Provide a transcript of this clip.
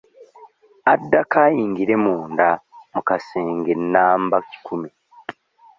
Addako ayingire munda mu kasenge namba kikumi.